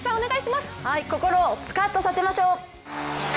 心をスカッとさせましょう！